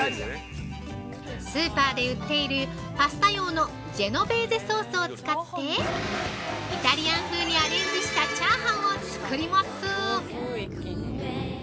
◆スーパーで売っているパスタ用のジェノベーゼソースを使ってイタリアン風にアレンジしたチャーハンを作ります。